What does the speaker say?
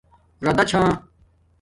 راداچھا